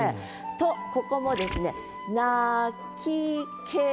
とここもですね「鳴きけり」。